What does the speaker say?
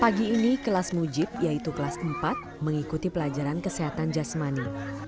pagi ini kelas mujib yaitu kelas empat mengikuti pelajaran kesehatan jasmani